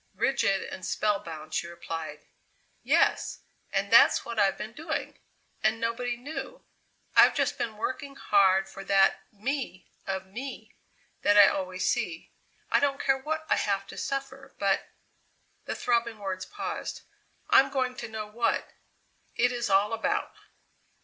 Rigid and spellbound she replied: "Yes. And that's what I've been doing and nobody knew. I've just been working hard for that me of me that I always see. I don't care what I have to suffer, but " the throbbing words paused "I'm going to know what it is all about!"